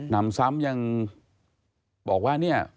นำซ้ำยังบอกว่าเนี่ย